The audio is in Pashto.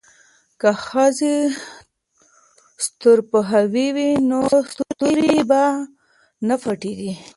که ښځې ستورپوهې وي نو ستوري به نه پټیږي.